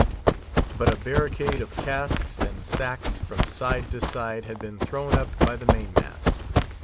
But a barricade of casks and sacks, from side to side, had been thrown up by the main mast.